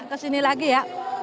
kesini lagi ya